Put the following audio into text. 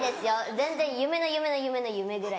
全然夢の夢の夢の夢ぐらい。